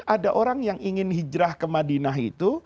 ada orang yang ingin hijrah ke madinah itu